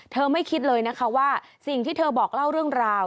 ไม่คิดเลยนะคะว่าสิ่งที่เธอบอกเล่าเรื่องราว